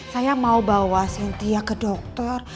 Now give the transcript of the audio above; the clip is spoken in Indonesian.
saya mau bawa cynthia ke dokter